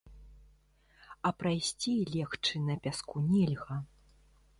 А прайсці і легчы на пяску нельга.